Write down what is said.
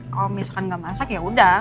kalo misalkan gak masak ya udah